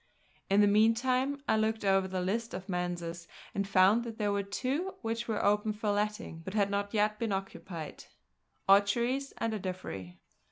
In the meantime I looked over the list of Manses and found that there were two which were open for letting, but had not yet been occupied, Aucheries and Ardiffery.